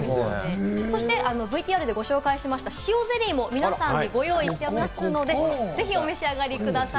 そしてＶＴＲでもご紹介しました、しおゼリーも皆さんにご用意していますので、ぜひお召し上がりください。